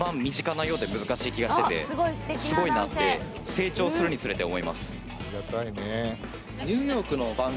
成長するにつれて思います。